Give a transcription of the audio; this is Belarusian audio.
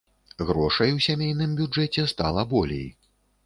Грошай у сямейным бюджэце стала болей.